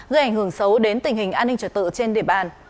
gây ảnh hưởng xấu đến tình hình an ninh trật tự trên địa bàn